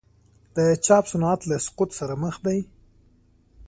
د چاپ صنعت له سقوط سره مخ دی؟